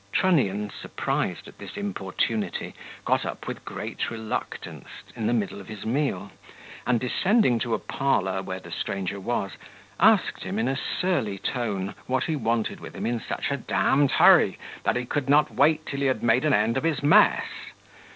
Trunnion, surprised at this importunity, got up with great reluctance, in the middle of his meal, and descending to a parlour where the stranger was, asked him, in a surly tone, what he wanted with him in such a d d hurry, that he could not wait till he had made an end of his mess?